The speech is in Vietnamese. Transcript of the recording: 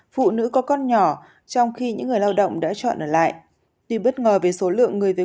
phụ nữ có con nhỏ trong khi những người lao động đã chọn ở lại tuy bất ngờ về số lượng người về